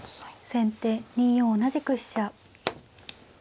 先手２四同じく飛車。